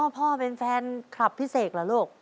อ๋อพ่อเป็นแฟนคลับพิเศกเหรอลูก